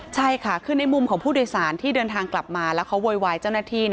ใช่ค่ะคือในมุมของผู้โดยสารที่เดินทางกลับมาแล้วเขาโวยวายเจ้าหน้าที่